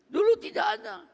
dulu tidak ada